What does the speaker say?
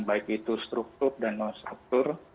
baik itu struktur dan non struktur